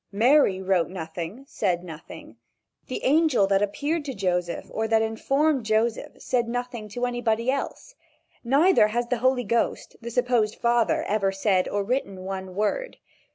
Mary wrote nothing, said nothing. The angel that appeared to Joseph or that informed Joseph said nothing to anybody else. Neither has the Holy Ghost, the supposed father, ever said or written one word.